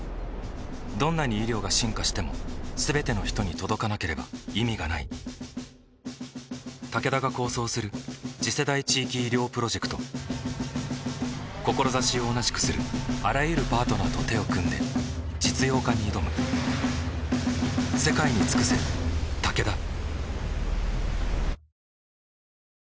どんなに医療が進化しても全ての人に届かなければ意味がないタケダが構想する次世代地域医療プロジェクト志を同じくするあらゆるパートナーと手を組んで実用化に挑むお天気